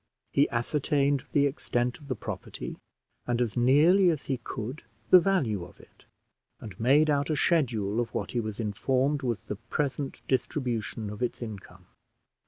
He ascertained the extent of the property, and as nearly as he could the value of it; and made out a schedule of what he was informed was the present distribution of its income.